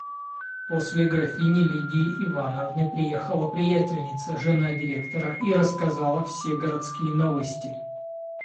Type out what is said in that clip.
После графини Лидии Ивановны приехала приятельница, жена директора, и рассказала все городские новости.